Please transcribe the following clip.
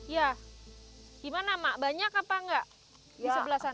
ya gimana ma banyak apa nggak di sebelah sana